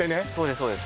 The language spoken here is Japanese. そうです